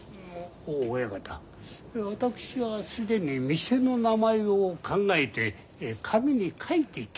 親方私は既に店の名前を考えて紙に書いてきました。